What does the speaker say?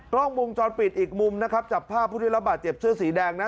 กล้องวงจรปิดอีกมุมนะครับจับภาพผู้ได้รับบาดเจ็บเสื้อสีแดงนะ